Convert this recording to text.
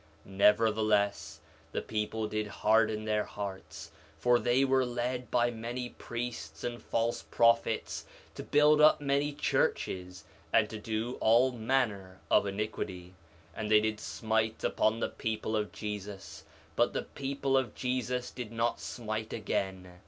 4 Nephi 1:34 Nevertheless, the people did harden their hearts, for they were led by many priests and false prophets to build up many churches, and to do all manner of iniquity. And they did smite upon the people of Jesus; but the people of Jesus did not smite again.